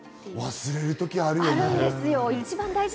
忘れる時あるよね。